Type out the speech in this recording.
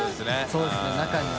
そうですね中には。